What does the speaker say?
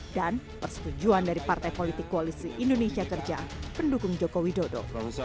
dan persetujuan dari partai politik koalisi indonesia kerja pendukung jokowi dodo